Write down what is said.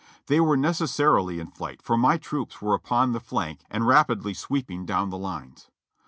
They were necessarily in flight, for my troops were upon the flank and rapidly sweeping down the lines.